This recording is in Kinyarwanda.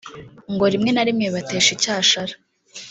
ngo rimwe na rimwe bibatesha icyashara